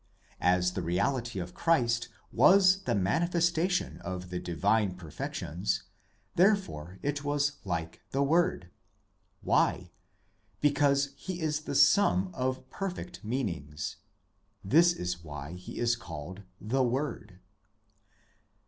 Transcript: As the Reality of Christ was the manifestation of the divine perfections, therefore it was like the word. Why ? because he is the sum of perfect meanings. This is why he is called the Word.